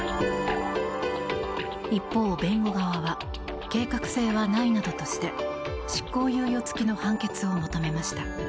一方、弁護側は計画性はないなどとして執行猶予付きの判決を求めました。